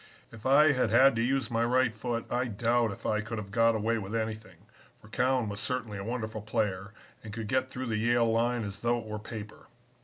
If I had had to use my right foot I doubt if I could have got away with anything, for Cowan was certainly a wonderful player and could get through the Yale line as though it were paper.